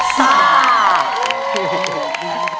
โอ๊ะสตาร์